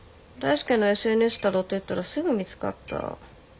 大輔のＳＮＳたどってったらすぐ見つかった。